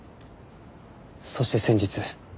そして先日。